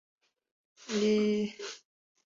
念食也称为意思食。